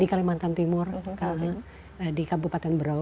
di kalimantan timur ka di mana ini di mana ini di kalimantan timur ka di kabupaten brau